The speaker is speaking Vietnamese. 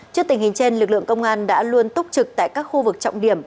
trước tình hình trên lực lượng công an đã luôn túc trực tại các khu vực trọng điểm